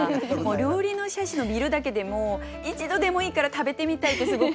料理の写真を見るだけでも一度でもいいから食べてみたいってすごく思うぐらい。